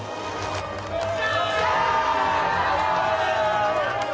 よっしゃー！